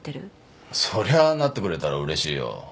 そりゃなってくれたらうれしいよ。